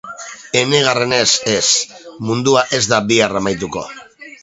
Enegarrenez, ez, mundua ez da bihar amaituko.